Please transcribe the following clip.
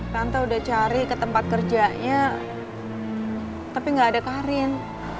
tante udah cari ke tempat kerjanya tapi nggak ada karin